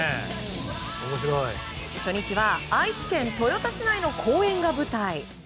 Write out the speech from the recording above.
初日は、愛知県豊田市内の公園が舞台。